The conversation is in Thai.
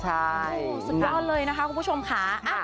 สุดยอดเลยนะคะคุณผู้ชมค่ะ